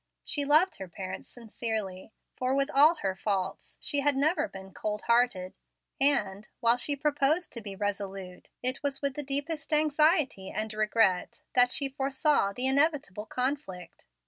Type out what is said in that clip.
She loved her parents sincerely, for, with all her faults, she had never been cold hearted; and, while she proposed to be resolute, it was with the deepest anxiety and regret that she foresaw the inevitable conflict.